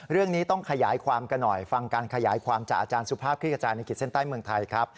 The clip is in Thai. เรื่องนี้ต้องขยายความกันหน่อยฟังการขยายความจากอาจารย์สุภาพคลิกกระจายในขีดเส้นใต้เมืองไทยครับ